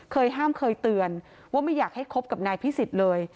ห้ามเคยเตือนว่าไม่อยากให้คบกับนายพิสิทธิ์เลย